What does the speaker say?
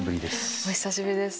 お久しぶりです。